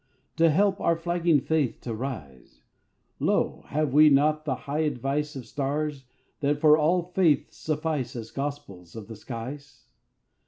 To help our flagging faith to rise, Lo! have we not the high advice Of stars, that for all faith suffice As gospels of the skies?